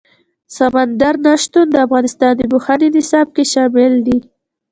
سمندر نه شتون د افغانستان د پوهنې نصاب کې شامل دي.